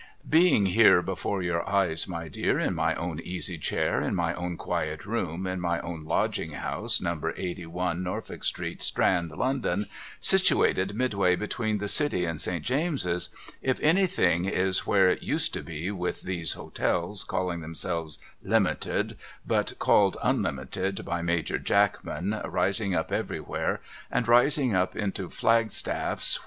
Being here before your eyes my dear in my own easy chair in my own quiet room in my own Lodging House Number Eighty one Norfolk Street Strand London situated midway between the city and St. James's— if anything is where it used to be with these hotels calling themselves Limited but called unlimited by Major Jackman rising up everyv/here and rising up into flagstaff's where 2 A 2 356 MRS.